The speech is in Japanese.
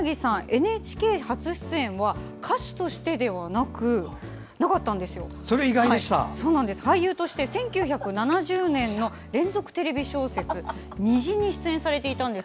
ＮＨＫ初出演は歌手としてではなかったんですよ。俳優として、１９７０年の連続テレビ小説「虹」に出演されていたんです。